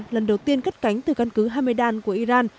lần đầu tiên cất cánh từ căn cứ hamedan của iran